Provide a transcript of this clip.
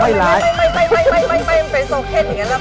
ไม่เป็นโซเคนเหมือนกันล่ะป่าว